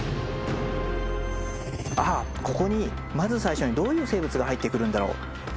ああここにまず最初にどういう生物が入ってくるんだろう。